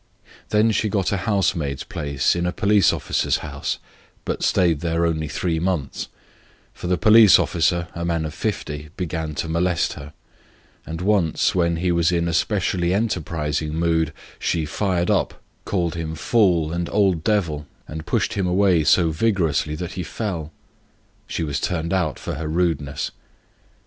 Then she got a housemaid's place in a police officer's house, but stayed there only three months, for the police officer, a man of fifty, began to torment her, and once, when he was in a specially enterprising mood, she fired up, called him "a fool and old devil," and gave him such a knock in the chest that he fell. She was turned out for her rudeness.